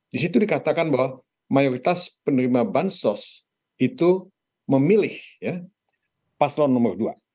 di situ dikatakan bahwa mayoritas penerima bansos itu memilih paslon nomor dua